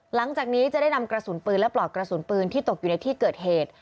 หลังจากนี้จะได้นำกระสุนปืนและปลอกกระสุนปืนที่ตกอยู่ในที่เกิดเหตุ